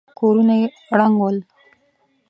کورونه ړنګ ول.